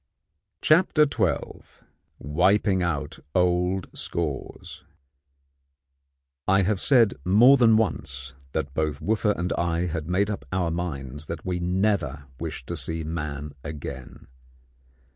CHAPTER XII WIPING OUT OLD SCORES I have said more than once that both Wooffa and I had made up our minds that we never wished to see man again.